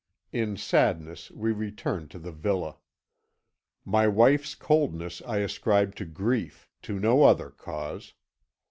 In sadness we returned to the villa. My wife's coldness I ascribed to grief to no other cause.